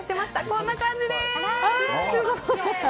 こんな感じです。